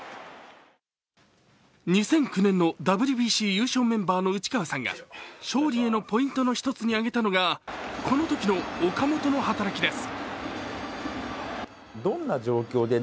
２００９年のＷＢＣ優勝メンバーの内川さんが勝利へのポイントの１つに挙げたのがこのときの岡本の働きです。